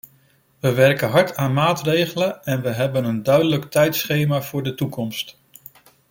We werken hard aan maatregelen en we hebben een duidelijk tijdschema voor de toekomst.